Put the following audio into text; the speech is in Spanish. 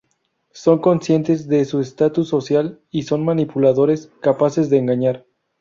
Son conscientes de su estatus social y son manipuladores, capaces de engañar.